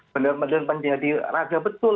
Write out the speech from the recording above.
benar benar menjadi raja betul